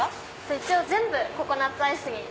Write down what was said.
一応全部ココナッツアイス。